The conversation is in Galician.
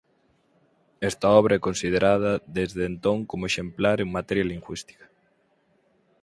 Esta obra é considerada desde entón como exemplar en materia lingüística.